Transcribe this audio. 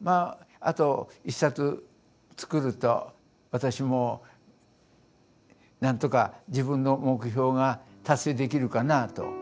まああと１冊作ると私も何とか自分の目標が達成できるかなぁと。